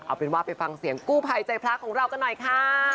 เอาเป็นว่าไปฟังเสียงกู้ภัยใจพระของเรากันหน่อยค่ะ